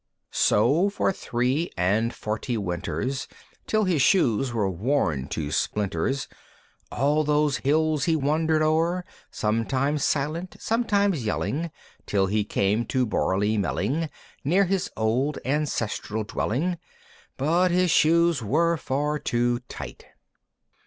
VI. So for three and forty winters, Till his shoes were worn to splinters, All those hills he wander'd o'er, Sometimes silent; sometimes yelling; Till he came to Borley Melling, Near his old ancestral dwelling (But his shoes were far too tight).